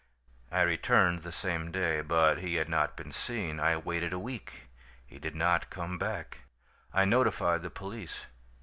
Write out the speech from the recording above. "I returned the same day, but he had not been seen. I waited a week. He did not come back. I notified the police.